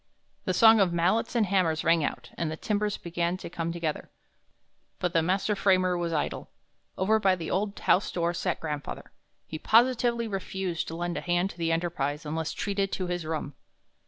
The song of mallets and hammers rang out, and the timbers began to come together; but the master framer was idle. Over by the old house door sat grandfather. He positively refused to lend a hand to the enterprise unless treated to his rum.